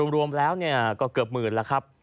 รวมแล้วก็เกือบหมื่นแล้วครับ